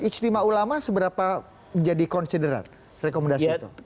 ijtima ulama seberapa jadi konsiderat rekomendasi itu